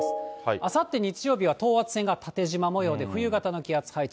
あさって日曜日は等圧線が縦じま模様で冬型の気圧配置。